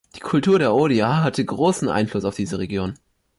Die Kultur der Odia hatte großen Einfluss auf diese Region.